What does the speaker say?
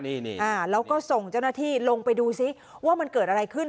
นี่แล้วก็ส่งเจ้าหน้าที่ลงไปดูซิว่ามันเกิดอะไรขึ้น